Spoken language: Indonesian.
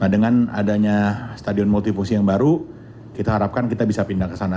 dengan adanya stadion multifusi yang baru kita harapkan kita bisa pindah ke sana